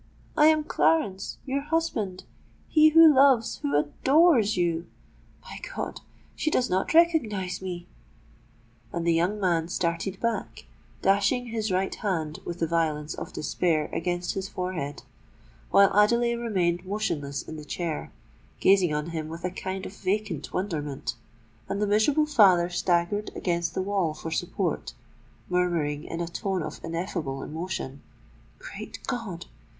—I am Clarence—your husband—he who loves, who adores you! My God! she does not recognise me!" And the young man started back, dashing his right hand with the violence of despair against his forehead; while Adelais remained motionless in the chair, gazing on him with a kind of vacant wonderment,—and the miserable father staggered against the wall for support, murmuring in a tone of ineffable emotion, "Great God!